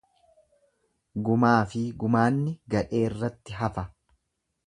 Gumaafi gumaanni gadheerratti hafa.